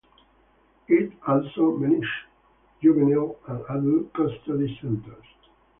It also manages juvenile and adult custody centres.